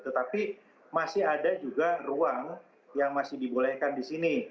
tetapi masih ada juga ruang yang masih dibolehkan di sini